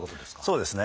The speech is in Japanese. そうですね。